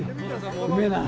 うめえな。